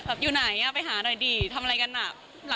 อยู่ไหนไปหาหน่อยดิทำอะไรกันอ่ะ